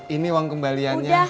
ini uang kembaliannya